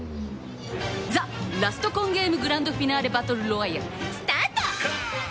ザ・ラストコンゲームグランドフィナーレバトルロワイヤルスタート！